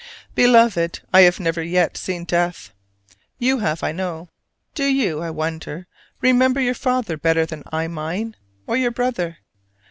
Beloved, I have never yet seen death: you have, I know. Do you, I wonder, remember your father better than I mine: or your brother?